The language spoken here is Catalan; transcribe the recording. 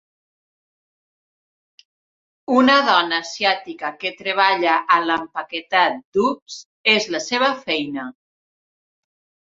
Una dona asiàtica que treballa a l'empaquetat d'UPS, és la seva feina.